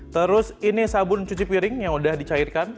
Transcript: terus ini sabun cuci piring yang udah dicairkan